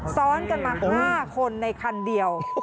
ซ้อนกันมา๕คนในคันเดียว